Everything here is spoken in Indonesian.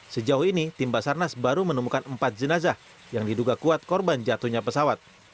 sejauh ini tim basarnas baru menemukan empat jenazah yang diduga kuat korban jatuhnya pesawat